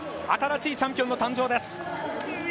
新しいチャンピオンの誕生です。